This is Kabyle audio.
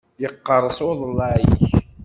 Yeqqereṣ uḍellaɛ-ik!